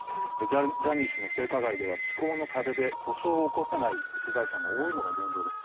ジャニー氏の性加害では時効の壁で訴訟を起こせない被害者も多いのが現状です。